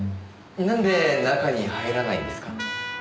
なんで中に入らないんですか？